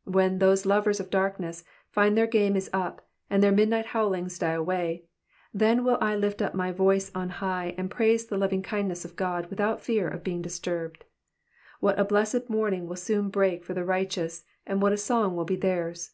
'''* When those lovers of darkness find their game is up, and their midnight bowlings die away, then will I lift up my voice on hiffh and praise the lovingkindness of God without fear of being disturbed. What a blessed morning will soon break for the righteous, and what a song will be theirs